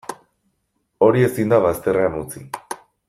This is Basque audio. Hori ezin da bazterrean utzi.